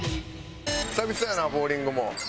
久々やなボウリングも。